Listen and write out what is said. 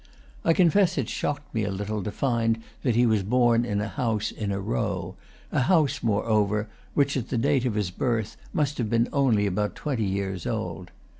I confess it shocked me a little to find that he was born in a house "in a row," a house, moreover, which at the date of his birth must have been only about twenty years old.